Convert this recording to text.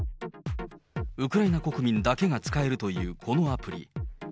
ウクライナ国民だけが使えるというこのアプリ。